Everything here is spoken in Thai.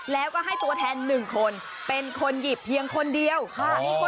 แล้วก็ให้ตัวแทน๑คนเป็นคนหยิบเพียงคนเดียว